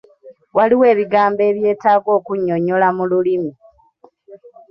Waliwo ebigambo ebyetaaga okunnyonnyola mu lulimi.